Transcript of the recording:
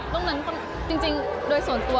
ตรงนั้นจริงโดยส่วนตัว